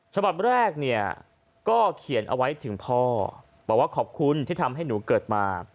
ฉบับแรกเนี่ยก็เขียนเอาไว้ถึงพ่อบอกว่าขอบคุณที่ทำให้หนูเกิดมา